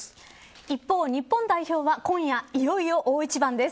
一方、日本代表は今夜いよいよ大一番です。